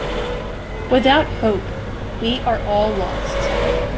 Without hope, we are all lost.